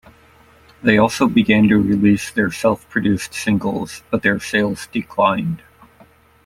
They also began to release their self-produced singles, but their sales declined.